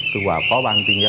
chú hòa có băng tiên gia